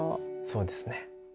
そうですね。